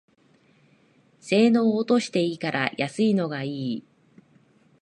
性能落としていいから安いのがいい